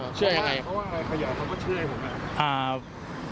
เพราะว่าใครอยากเขาก็เชื่อให้ผมนะ